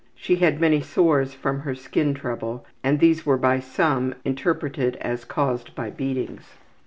She had many sores from her skin trouble and these were by some interpreted as caused by beatings.